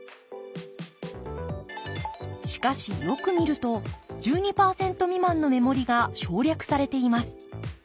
しかしよく見ると１２％未満の目盛りが省略されています。